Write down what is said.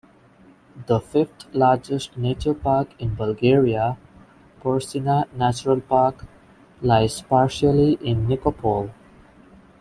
The fifth-largest nature park in Bulgaria, Persina Natural Park, lies partially in Nikopol.